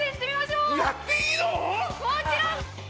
もちろん！